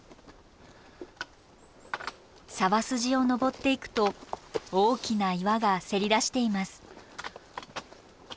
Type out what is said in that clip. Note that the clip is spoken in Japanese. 沢筋を登っていくと大きな岩がせり出しています。